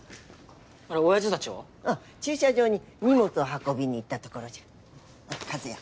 駐車場に荷物を運びに行ったところじゃ和也